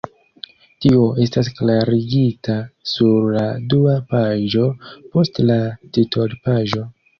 Tio estas klarigita sur la dua paĝo post la titolpaĝo.